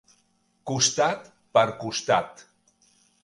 Costat per costat.